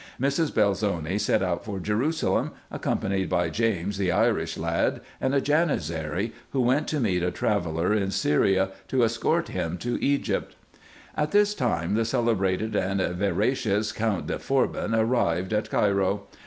Mrs. Bel zoni set out for Jerusalem, accompanied by James the Irish lad and a Janizary, who went to meet a traveller in Syria, to escort him to Egypt. At this time the celebrated and veracious Count de Forbin arrived at Cairo.